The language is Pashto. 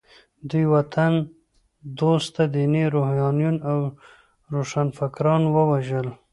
دوی وطن دوسته ديني روحانيون او روښانفکران ووژل.